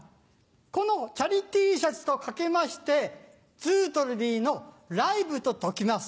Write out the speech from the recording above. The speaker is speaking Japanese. このチャリＴシャツと掛けまして「ずうとるび」のライブと解きます。